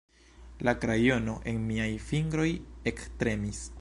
La krajono en miaj fingroj ektremis.